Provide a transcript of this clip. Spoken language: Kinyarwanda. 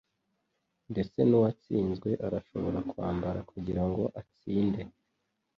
Ndetse nuwatsinzwe arashobora kwambara kugirango atsinde.